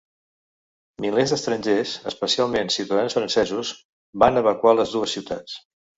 Milers d'estrangers, especialment ciutadans francesos, van evacuar les dues ciutats.